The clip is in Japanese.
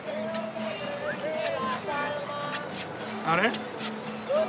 あれ？